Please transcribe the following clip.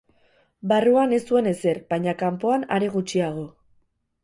Barruan ez zuen ezer, baina kanpoan are gutxiago.